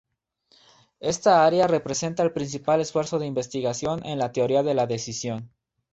Esta área representa el principal esfuerzo de investigación en la teoría de la decisión.